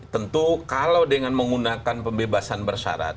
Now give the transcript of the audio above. tentu kalau dengan menggunakan pembebasan bersyarat